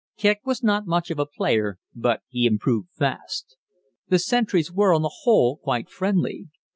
Kicq was not much of a player, but he improved fast. The sentries were on the whole quite friendly.